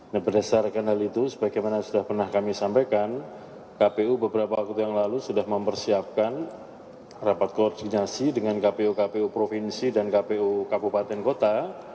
nah berdasarkan hal itu sebagaimana sudah pernah kami sampaikan kpu beberapa waktu yang lalu sudah mempersiapkan rapat koordinasi dengan kpu kpu provinsi dan kpu kabupaten kota